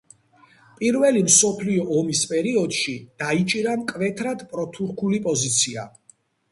პირველი მსოფლიო ომის პერიოდში დაიჭირა მკვეთრად პროთურქული პოზიცია.